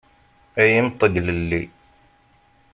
Ay imṭeglelli!